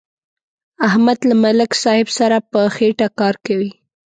احمد له ملک صاحب سره په خېټه کار کوي.